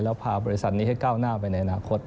แล้วพาบริษัทนี้ให้ก้าวหน้าไปในอนาคต